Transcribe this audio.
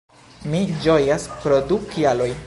Mi ĝojas pro du kialoj